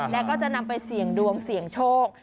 แล้วก็จะนำไปเสี่ยงดวงเสี่ยงโชค